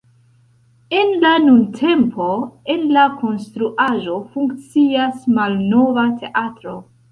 En la nuntempo en la konstruaĵo funkcias Malnova Teatro.